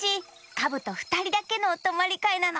カブとふたりだけのおとまりかいなの。